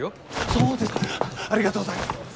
そうですかありがとうございます！